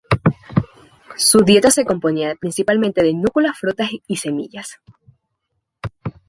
Su dieta se componía principalmente de núculas, frutas, y semillas.